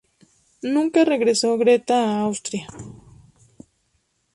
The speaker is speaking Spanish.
Nunca regresó Greta a Austria.